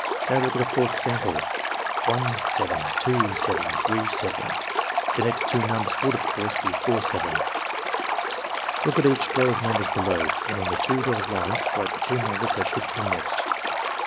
"Now look at the fourth sample — 1, 7, 2, 7, 3, 7; the next two numbers would, of course, be 4, 7. "Look at each row of numbers below, and on the two dotted lines write the two numbers that should come next.